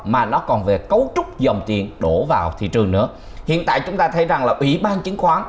mà nó còn về cấu trúc dòng tiền đổ vào thị trường nữa hiện tại chúng ta thấy rằng là ủy ban chứng khoán